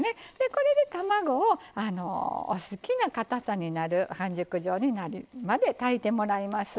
これで、卵をお好きなかたさ半熟状になるまで炊いていきます。